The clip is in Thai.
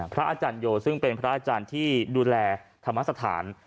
อาจารย์โยซึ่งเป็นพระอาจารย์ที่ดูแลธรรมสถาน